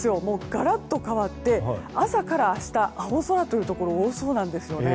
ガラッと変わって朝から明日は青空というところが多そうなんですね。